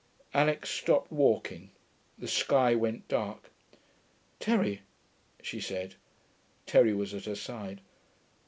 Alix stopped walking. The sky went dark. 'Terry,' she said. Terry was at her side.